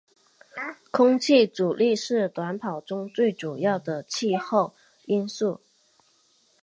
空气阻力是短跑中最主要的气候因素。